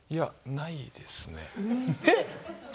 ないですね。